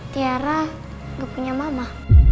tiara gak punya mama